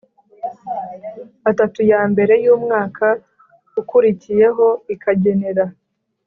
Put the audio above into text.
atatu ya mbere y umwaka ukurikiyeho ikagenera